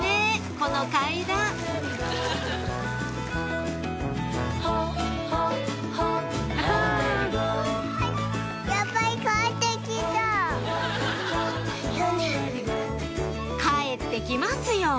この階段帰って来ますよ！